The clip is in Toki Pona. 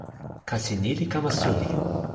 kasi ni li kama suli.